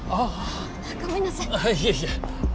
いえいえ。